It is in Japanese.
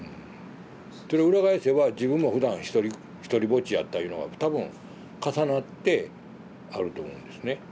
それ裏返せば自分もふだん独りぼっちやったいうのが多分重なってあると思うんですね。